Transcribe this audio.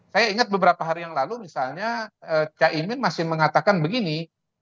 saya ingat beberapa hari yang lalu misalnya caimin masih mengatakan begini